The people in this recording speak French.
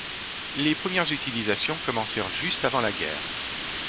Les premières utilisations commencèrent juste avant la guerre.